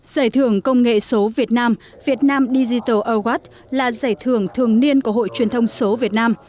giải thưởng công nghệ số việt nam việt nam digital award là giải thưởng thường niên của hội truyền thông số việt nam